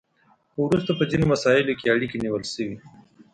خو وروسته په ځینو مساییلو کې اړیکې نیول شوي